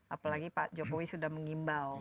apalagi pak jokowi sudah mengimbau